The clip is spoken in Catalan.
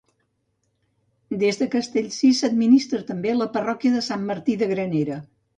Des de Castellcir s'administra també la parròquia de Sant Martí de Granera.